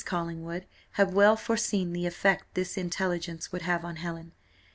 Collingwood had well foreseen the effect this intelligence would have on Helen.